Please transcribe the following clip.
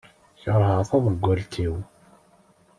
Keṛheɣ taḍeggalt-iw.